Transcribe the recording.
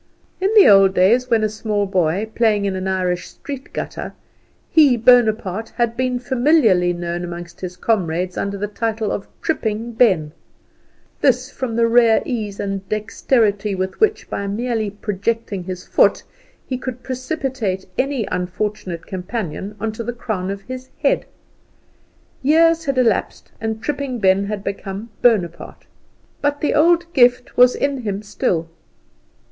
In old days, when a small boy, playing in an Irish street gutter, he, Bonaparte, had been familiarly known among his comrades under the title of Tripping Ben; this, from the rare ease and dexterity with which, by merely projecting his foot, he could precipitate any unfortunate companion on to the crown of his head. Years had elapsed, and Tripping Ben had become Bonaparte; but the old gift was in him still.